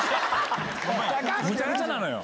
むちゃくちゃなのよ。